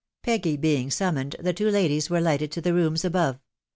19 Peggy being summoned, the two ladies were lighted to the rooms above.